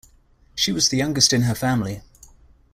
She was the youngest in her family.